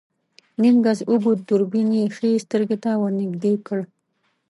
نيم ګز اوږد دوربين يې ښی سترګې ته ور نږدې کړ.